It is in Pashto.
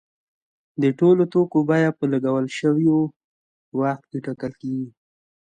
د ټولو توکو بیه په لګول شوي وخت ټاکل کیږي.